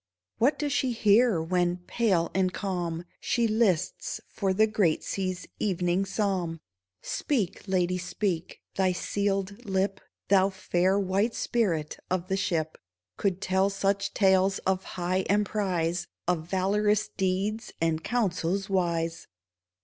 What does she hear when, pale and calm, She lists for the great sea's evening psalm ? Speak, Lady, speak ! Thy sealed lip. Thou fair white spirit of the ship, Could tell such tales of high emprise. Of valorous deeds and counsels wise